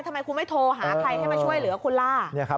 ทำไมคุณไม่โทรหาใครให้มาช่วยเหลือคุณล่ะ